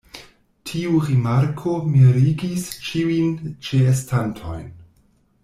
Tiu rimarko mirigis ĉiujn ĉeestantojn.